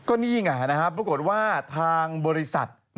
ก็นี่ไงปรากฏว่าทางบริษัท